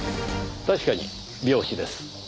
確かに病死です。